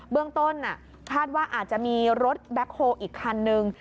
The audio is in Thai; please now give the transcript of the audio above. เบื้องต้นคาดว่าอาจจะมีรถแบ็คโฮลอีกคันนึง